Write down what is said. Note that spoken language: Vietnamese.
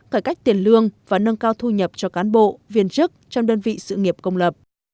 cải cách tiền lương và nâng cao thu nhập cho cán bộ viên chức trong đơn vị sự nghiệp công lập